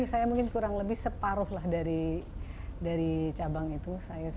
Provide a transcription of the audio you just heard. saya mungkin kurang lebih separuh lah dari cabang itu